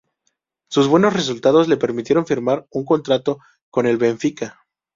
Sus buenos resultados le permitieron firmar un contrato con el Benfica.